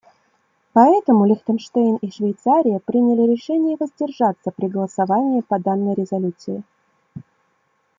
Поэтому Лихтенштейн и Швейцария приняли решение воздержаться при голосовании по данной резолюции.